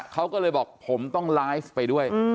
เขาก็เลยบอกผมต้องไลฟ์ไปด้วย